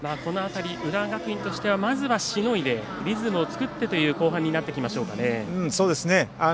浦和学院としてはまずはしのいで、リズムを作ってという後半になってきますかね。